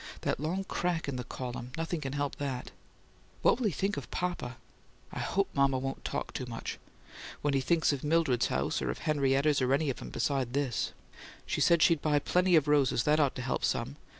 That long crack in the column nothing can help it. What will he think of papa? I hope mama won't talk too much. When he thinks of Mildred's house, or of Henrietta's, or any of 'em, beside this She said she'd buy plenty of roses; that ought to help some.